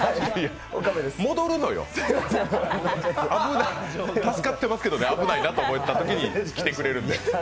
戻るのよ、助かってますけどね、危ないなと思うときに来てくれるから。